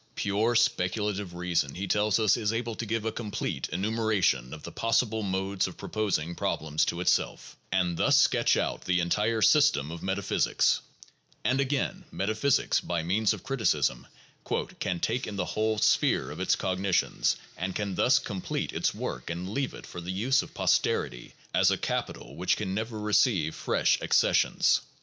"Pure speculative reason," he tells us, "is able to give a complete enumeration of the possible modes of pro posing problems to itself, and thus sketch out the entire system of metaphysics"; and again, metaphysics, by means of criticism, "can take in the whole sphere of its cognitions, and can thus complete its work, and leave it for the use of posterity, as a capital which can never receive fresh accessions.